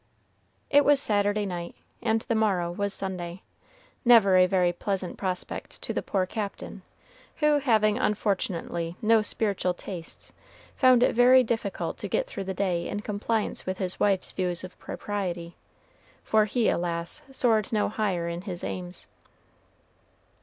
It was Saturday night, and the morrow was Sunday, never a very pleasant prospect to the poor Captain, who, having, unfortunately, no spiritual tastes, found it very difficult to get through the day in compliance with his wife's views of propriety, for he, alas! soared no higher in his aims.